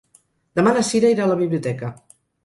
Demà na Cira irà a la biblioteca.